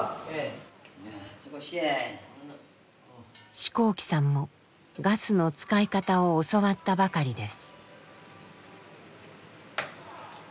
四光記さんもガスの使い方を教わったばかりです。